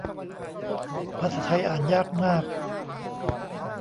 ภาษาไทยอ่านยากมาก